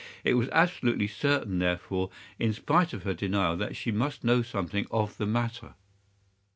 It was absolutely certain, therefore, in spite of her denial, that she must know something of the matter.